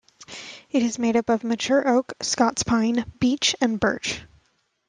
It is made up of mature oak, Scots pine, beech and birch.